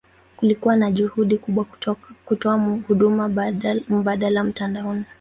Kulikuwa na juhudi kubwa kutoa huduma mbadala mtandaoni.